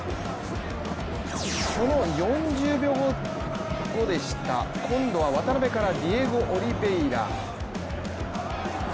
その４０秒後でした、今度は渡邊からディエゴ・オリヴェイラ。